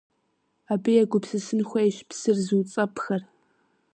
Абы егупсысын хуейщ псыр зыуцӀэпӀхэр.